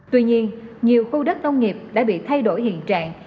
tuy nhiên nhiều khu đất nông nghiệp đã bị thay đổi hiện trạng